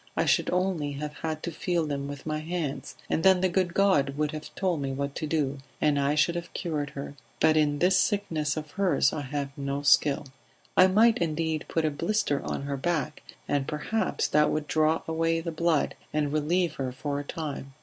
I should only have had to feel them with my hands, and then the good God would have told me what to do and I should have cured her. But in this sickness of hers I have no skill. I might indeed put a blister on her back, and perhaps that would draw away the blood and relieve her for a time.